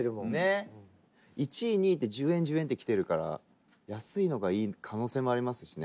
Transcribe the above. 千賀：１、２位って１０円、１０円ってきてるから安いのがいい可能性もありますしね。